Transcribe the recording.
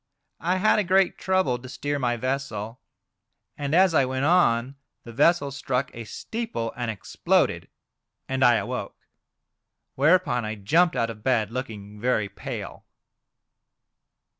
I had a great trouble to steer my vessel. And as I went on the vessel struck a steeple, and exploded, and I awoke. Whereupon I jumped out of bed, looking very pale."